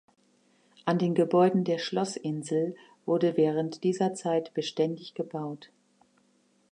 An den Gebäuden der Schlossinsel wurde während dieser Zeit beständig gebaut.